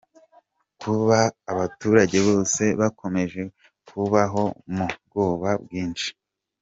Kuba abaturage bose bakomeje kubaho mu bwoba bwinshi.